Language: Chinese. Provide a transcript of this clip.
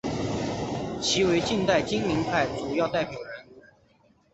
其为近代金陵派主要代表人物。